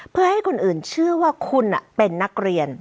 เพื่อให้คนอื่นน่ากลุ้งบอกว่าคุณเป็นนักเรียน